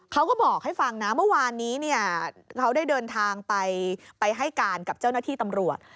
เขาก็บอกให้ฟังนะเมื่อวานนี้เนี่ยเขาได้เดินทางไปให้การกับเจ้าหน้าที่ตำรวจ